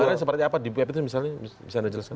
sebenarnya seperti apa di web itu misalnya bisa anda jelaskan